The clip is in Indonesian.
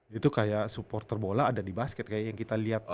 itu kayak supporter bola ada di basket kayak yang kita lihat